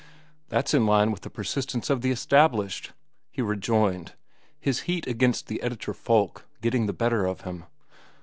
"That's in line with the persistence of the established," he rejoined, his heat against the editor folk getting the better of him.